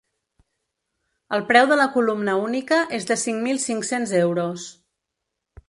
El preu de la columna única és de cinc mil cinc-cents euros.